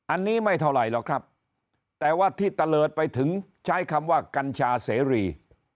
อันนี้ไม่เท่าไหร่หรอกครับแต่ว่าที่ตะเลิศไปถึงใช้คำว่ากัญชาเสรี